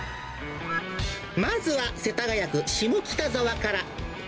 まずは世田谷区下北沢から。